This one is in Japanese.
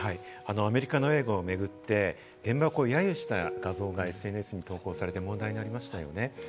アメリカの映画を巡って、原爆を揶揄した映像がＳＮＳに投稿されて問題になりましたよね。